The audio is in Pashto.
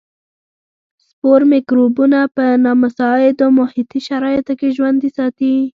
سپور مکروبونه په نامساعدو محیطي شرایطو کې ژوندي ساتي.